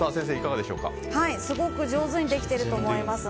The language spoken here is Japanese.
すごく上手にできてると思います。